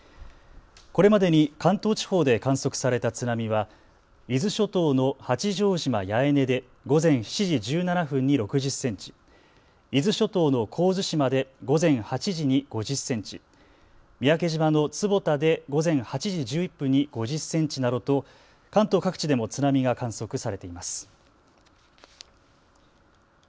これまでに関東地方で観測された津波は伊豆諸島の八丈島八重根で午前７時１７分に６０センチ、伊豆諸島の神津島で午前８時に５０センチ、三宅島の坪田で午前８時１１分に５０センチなどと関東各地でも津波が観測されています。